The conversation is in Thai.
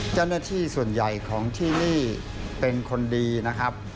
เจ้าหน้าที่ส่วนใหญ่ของที่นี่เป็นคนดีนะครับ